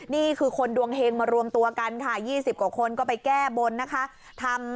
นี่คือคนดวงเฮงมารวมตัวกันค่ะ๒๐กว่าคนก็ไปแก้บนนะคะ